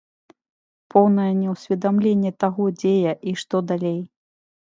Поўнае неўсведамленне таго, дзе я і што далей.